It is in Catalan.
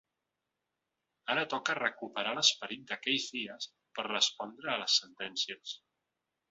Ara toca recuperar l’esperit d’aquells dies per respondre a les sentències.